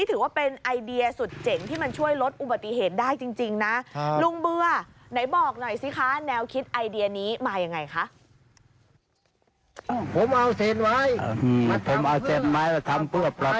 แดงมาเลยไกลเลยครับอ๋อ